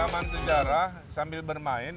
taman sejarah sambil bermain